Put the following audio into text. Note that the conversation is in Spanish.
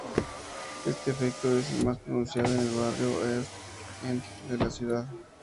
Este efecto es más pronunciado en el barrio "East End" de la ciudad.